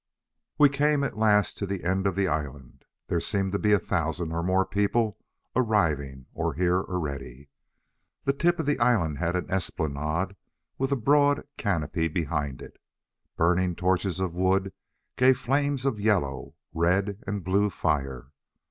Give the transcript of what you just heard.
We came at last to the end of the island. There seemed to be a thousand or more people arriving, or here already. The tip of the island had an esplanade with a broad canopy behind it. Burning torches of wood gave flames of yellow, red and blue fire.